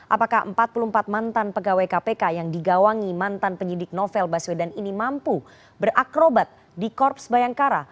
apakah empat puluh empat mantan pegawai kpk yang digawangi mantan penyidik novel baswedan ini mampu berakrobat di korps bayangkara